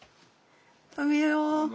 食べよう。